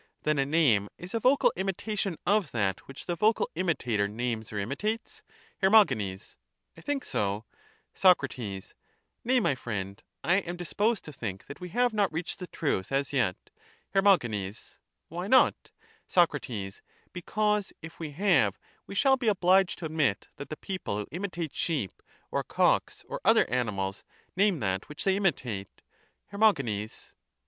Then a name is a vocal imitation of that which the vocal imitator names or imitates? Her. I think so. Soc. Nay, my friend, I am disposed to think that we have not reached the truth as yet. Her. Why not? Soc. Because if we have we shall be obliged to admit that the people who imitate sheep, or cocks, or other animals, name that which they imitate. TJic original navies are imitations. 369 Cratylus. Socrates, Hermo GENES.